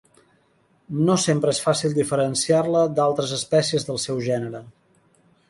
No sempre és fàcil diferenciar-la d'altres espècies del seu gènere.